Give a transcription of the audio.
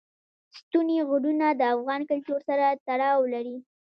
ستوني غرونه د افغان کلتور سره تړاو لري.